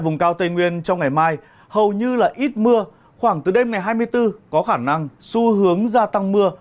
ngày mai hầu như là ít mưa khoảng từ đêm ngày hai mươi bốn có khả năng xu hướng ra tăng mưa